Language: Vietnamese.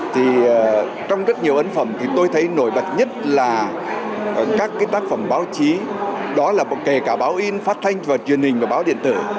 thì trong rất nhiều ấn phẩm thì tôi thấy nổi bật nhất là các cái tác phẩm báo chí đó là kể cả báo in phát thanh và truyền hình và báo điện tử